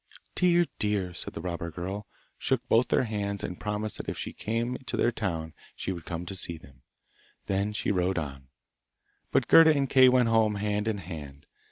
'Dear, dear!' said the robber girl, shook both their hands, and promised that if she came to their town she would come and see them. Then she rode on. But Gerda and Kay went home hand in hand.